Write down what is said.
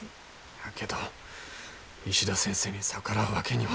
やけど石田先生に逆らうわけには。